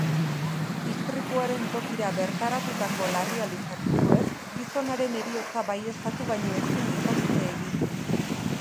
Istripuaren tokira bertaratutako larrialdi zerbitzuek gizonaren heriotza baieztatu baino ezin izan dute egin.